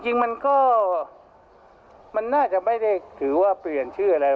จริงมันก็มันน่าจะไม่ได้ถือว่าเปลี่ยนชื่ออะไร